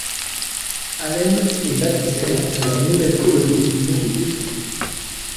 Allen et baptisèrent leur nouvelle colonie du nom de Houston.